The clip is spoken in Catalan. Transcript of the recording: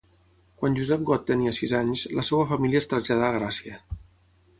Quan Josep Got tenia sis anys, la seva família es traslladà a Gràcia.